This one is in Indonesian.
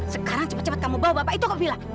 sekarang cepat cepat kamu bawa bapak itu ke villa